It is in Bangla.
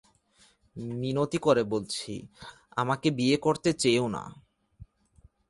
মিনতি করে বলছি, আমাকে বিয়ে করতে চেয়ো না।